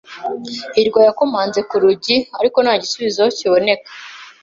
hirwa yakomanze ku rugi, ariko nta gisubizo kiboneka.